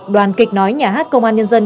đoàn kịch nói nhà hát công an nhân dân